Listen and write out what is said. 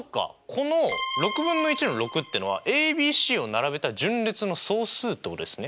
この６分の１の６っていうのはＡＢＣを並べた順列の総数ってことですね。